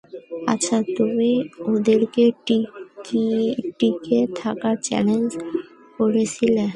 আচ্ছা, তুমি ওদেরকে টিকে থাকার চ্যালেঞ্জ করেছিলে।